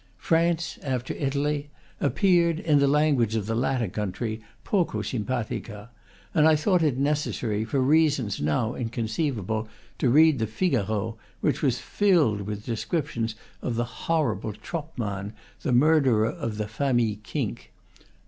France, after Italy, ap peared, in the language of the latter country, poco sim patica; and I thought it necessary, for reasons now in conceivable, to read the "Figaro," which was filled with descriptions of the horrible Troppmann, the mur derer of the famille Kink.